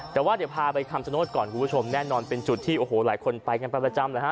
แต่ว่าเดี๋ยวพาไปคำชโนธก่อนคุณผู้ชมแน่นอนเป็นจุดที่โอ้โหหลายคนไปกันประจำแล้วฮะ